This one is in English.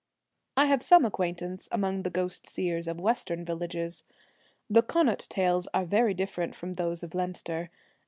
I have some acquaintance among the ghost seers of western villages. The Con naught tales are very different from those of Leinster.